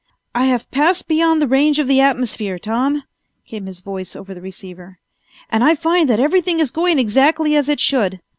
"I have passed beyond the range of the atmosphere, Tom," came his voice over the receiver, "and I find that everything is going exactly as it should.